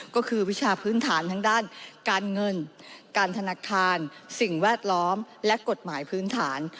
ก็คือวิชาพื้นฐานทั้งด้านการเงินการธนาคารสิ่งแวดล้อมและกฎหมายพื้นฐาน